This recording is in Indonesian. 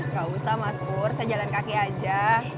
gak usah mas pur saya jalan kaki aja